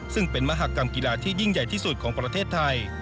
ซึ่งเป็นมหากรรมกีฬาที่ยิ่งใหญ่ที่สุดของประเทศไทย